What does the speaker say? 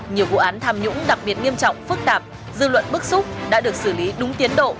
nhiều vụ án tham nhũng đặc biệt nghiêm trọng phức tạp dư luận bức xúc đã được xử lý đúng tiến độ